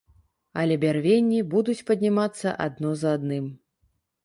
Але бярвенні будуць паднімацца адно за адным.